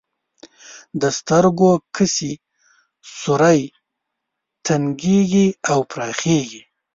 د سترګو کسي سوری تنګیږي او پراخیږي.